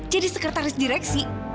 jadi sekretaris direksi